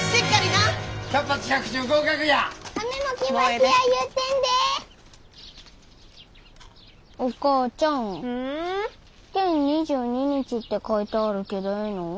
試験２２日って書いてあるけどええの？